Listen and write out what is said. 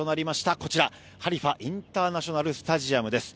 こちらハリファ・インターナショナル・スタジアムです。